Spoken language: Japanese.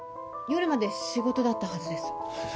夜まで仕事だったはずです。